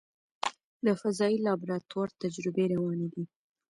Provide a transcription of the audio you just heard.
د فضایي لابراتوار تجربې روانې دي.